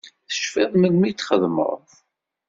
Tecfiḍ melmi i t-txedmeḍ?